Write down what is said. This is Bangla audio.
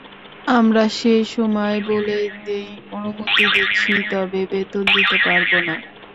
আমরা সেই সময় বলে দিই অনুমতি দিচ্ছি, তবে বেতন দিতে পারব না।